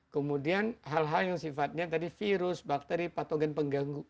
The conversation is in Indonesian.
kemudian hal hal yang sifatnya tadi virus bakteri patogen pengganggu